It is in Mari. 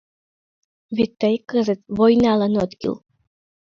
Вет тый кызыт войналан от кӱл.